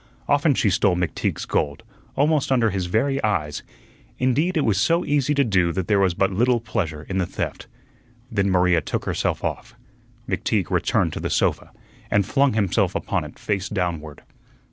Often she stole McTeague's gold, almost under his very eyes; indeed, it was so easy to do so that there was but little pleasure in the theft. Then Maria took herself off. McTeague returned to the sofa and flung himself upon it face downward.